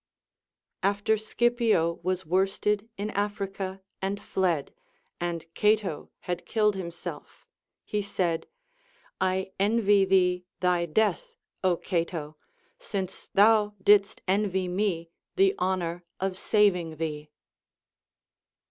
* After Scipio was worsted in Africa and tied, and Cato had killed himself, he said : I envy thee thy death, Ο Cato ! since thou didst envy me the honor of saving thee.